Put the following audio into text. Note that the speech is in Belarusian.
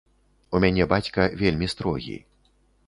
У мяне бацька вельмі строгі.